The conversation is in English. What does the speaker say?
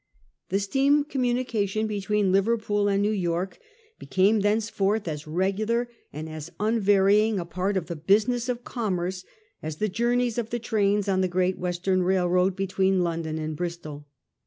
The steam co mm unication between Liver pool and New York became thenceforth as regular and as unvarying a part of the business of commerce as the journeys of the trains on the Great Western Railway between London and Bristol.